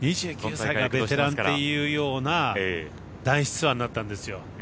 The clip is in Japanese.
２９歳がベテランっていうような男子ツアーになったんですよ。